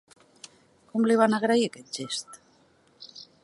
Com li van agrair aquest gest?